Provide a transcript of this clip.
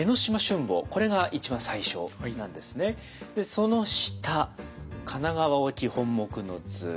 その下「賀奈川沖本杢之図」。